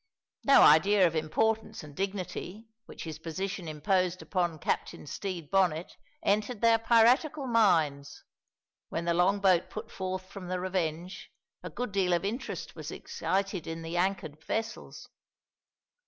No idea of importance and dignity, which his position imposed upon Captain Stede Bonnet, entered their piratical minds. When the long boat put forth from the Revenge, a good deal of interest was excited in the anchored vessels.